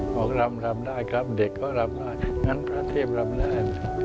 กรำรำได้ครับเด็กเขารำได้งั้นพระเทพรำได้